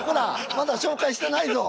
まだ紹介してないぞ。